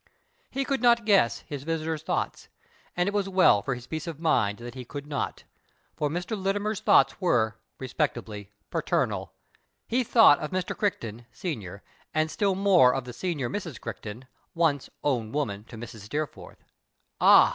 He could not guess his visitor's thoughts, and it was well for his peace of mind that he could not. For Mr. Littimer's thoughts were, respectably, jiaternal. He thought of Mr. Crichton, sen., and still more of the senior Mrs. Crichton, once " own woman " to Mrs. Steerforth. Ah